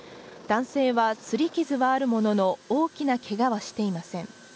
男性はすり傷はあるものの大きなけがはしていません。